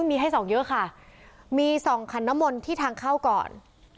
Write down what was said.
มีให้ส่งเยอะค่ะมี๒ขนมนต์ที่ทางเข้าก่อน